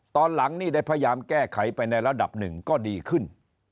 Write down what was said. ตอนหลังนี่ได้พยายามแก้ไขไปในระดับหนึ่งก็ดีขึ้น